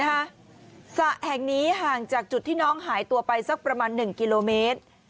สระแห่งนี้ห่างจากจุดที่น้องหายตัวไปสักประมาณหนึ่งกิโลเมตร